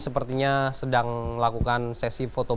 sepertinya sedang melakukan sesi foto